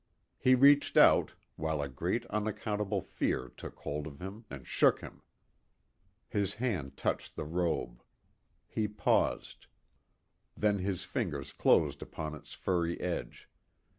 He reached out, while a great unaccountable fear took hold of him and shook him. His hand touched the robe. He paused. Then his fingers closed upon its furry edge.